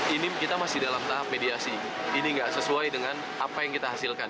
ini kita masih dalam tahap mediasi ini nggak sesuai dengan apa yang kita hasilkan